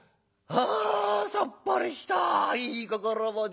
『あさっぱりしたいい心持ち』